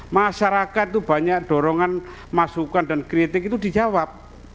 masyarakat itu banyak dorongan masukan dan kritik itu dijawab